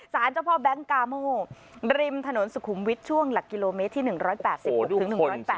เจ้าพ่อแบงค์กาโมริมถนนสุขุมวิทย์ช่วงหลักกิโลเมตรที่๑๘๐ถึง๑๐๘